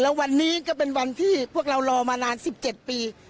แล้ววันนี้ก็เป็นวันที่พวกเรารอมานาน๑๗ปี